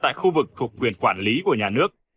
tại khu vực thuộc quyền quản lý của nhà nước